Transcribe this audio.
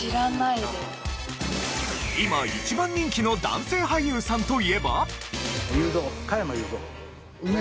今一番人気の男性俳優さんといえば？